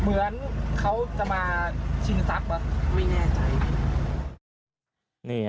เหมือนเขาจะมาชิงทรัพย์วะเหมือนเขาไม่น่าอยากหมด